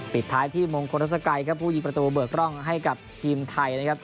ปิดท้ายที่มงคลรัศกัยครับผู้ยิงประตูเบิกร่องให้กับทีมไทยนะครับ